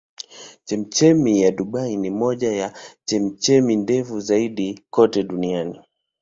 Chemchemi ya Dubai ni moja ya chemchemi ndefu zaidi kote duniani.